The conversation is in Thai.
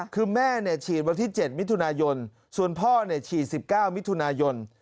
คือแม่ฉีดวันที่๗มิถุนายนส่วนพ่อฉีด๑๙มิถุนายน